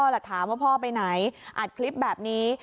แล้วถามว่าพ่อไปไหนอัดคลิปแบบนี้